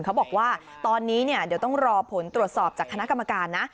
เขาบอกว่าตอนนี้เนี่ยเดี๋ยวต้องรอผลตรวจสอบจากคณะกรรมการนะ